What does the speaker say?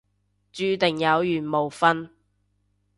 注定有緣冇瞓